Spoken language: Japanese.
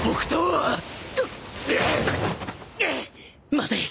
まずい！